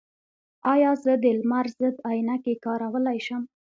ایا زه د لمر ضد عینکې کارولی شم؟